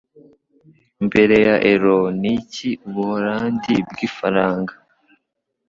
Mbere ya Euro, Niki Ubuholandi Bwifaranga?